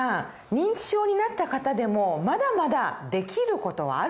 認知症になった方でもまだまだできる事はあるんですよね。